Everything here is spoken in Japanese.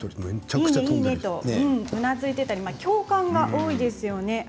いいねとうなずいていたり共感も多いですよね